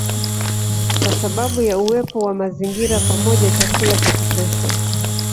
Kwa sababu ya uwepo wa mazingira pamoja chakula cha kutosha